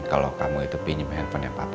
kalau kamu itu pinjem handphone yang papa